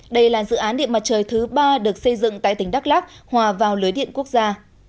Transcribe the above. đây là dự án điện mặt trời thứ ba được xây dựng tại tỉnh đắk lắc hòa vào lưới điện quốc gia